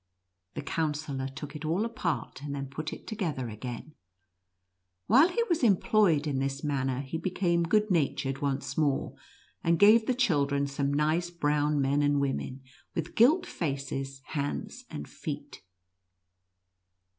The Coun sellor took it all apart, and then put it together again. While he was employed in this manner he became good natured once more, and gave the children some nice brown men and women, with gilt faces, hands, and feet.